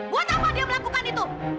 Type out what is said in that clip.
buat apa dia melakukan itu